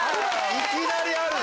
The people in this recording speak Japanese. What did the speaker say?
いきなりあるの？